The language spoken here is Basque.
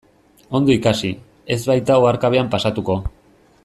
Ondo ikasi, ez baita oharkabean pasatuko.